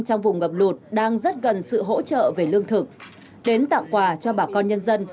trong vùng ngập lụt đang rất cần sự hỗ trợ về lương thực đến tặng quà cho bà con nhân dân